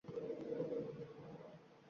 Tentakligimni qarang